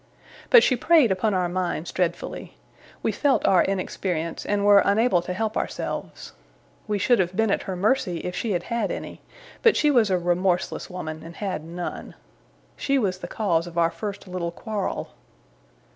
But she preyed upon our minds dreadfully. We felt our inexperience, and were unable to help ourselves. We should have been at her mercy, if she had had any; but she was a remorseless woman, and had none. She was the cause of our first little quarrel.